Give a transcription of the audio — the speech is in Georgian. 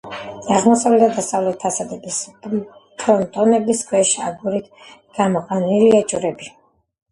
აღმოსავლეთ და დასავლეთ ფასადების ფრონტონების ქვეშ აგურით გამოყვანილია ჯვრები.